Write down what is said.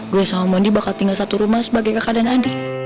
gue sama mondi bakal tinggal satu rumah sebagai kakak dan adik